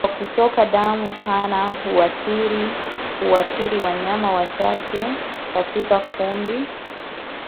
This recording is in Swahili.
Ugonjwa wa kutoka damu sana huathiri huathiri wanyama wachache katika kundi